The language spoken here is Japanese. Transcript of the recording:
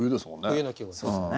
冬の季語ですはい。